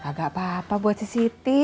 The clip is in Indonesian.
gak apa apa buat si siti